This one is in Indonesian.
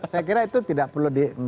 saya kira itu tidak perlu di trade off ya